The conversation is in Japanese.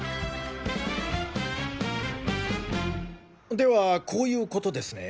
ではこういうことですね。